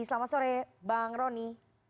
selamat sore bang roni